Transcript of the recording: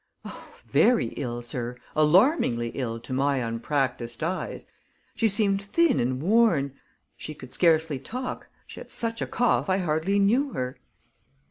"Oh, very ill, sir; alarmingly ill, to my unpracticed eyes. She seemed thin and worn she could scarcely talk she had such a cough I hardly knew her."